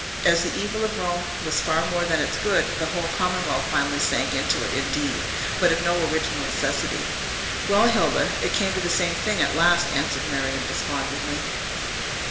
As the evil of Rome was far more than its good, the whole commonwealth finally sank into it, indeed, but of no original necessity." "Well, Hilda, it came to the same thing at last," answered Miriam despondingly.